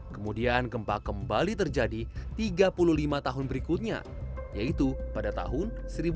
kemudian gempa kembali terjadi tiga puluh lima tahun berikutnya yaitu pada tahun seribu sembilan ratus sembilan puluh